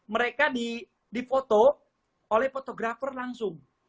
mereka difoto oleh fotografer langsung